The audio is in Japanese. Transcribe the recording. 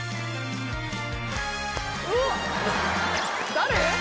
誰？